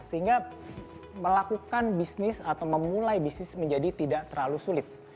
sehingga melakukan bisnis atau memulai bisnis menjadi tidak terlalu sulit